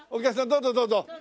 どうぞどうぞ。